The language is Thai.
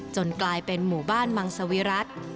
กลายเป็นหมู่บ้านมังสวิรัติ